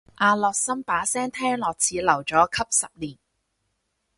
阿樂琛把聲聽落似留咗級十年